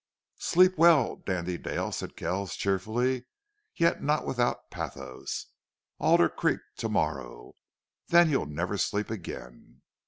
"Sleep well, Dandy Dale," said Kells, cheerfully, yet not without pathos. "Alder Creek to morrow!... Then you'll never sleep again!"